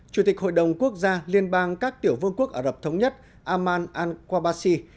chủ tịch hội đồng quốc gia liên bang các tiểu vương quốc ả rập thống nhất aman al khwabassi